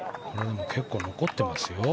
結構残ってますよ。